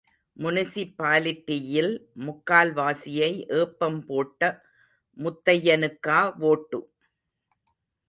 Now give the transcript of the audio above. முனிசிபாலிட்டியில் முக்கால்வாசியை ஏப்பம் போட்ட முத்தையனுக்கா வோட்டு?